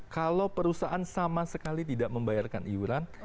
kalau perusahaan sama sekali tidak membayarkan iuran